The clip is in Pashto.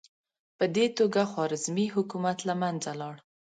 په دې توګه خوارزمي حکومت له منځه لاړ.